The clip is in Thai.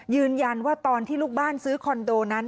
ยืนยันว่าตอนที่ลูกบ้านซื้อคอนโดนั้น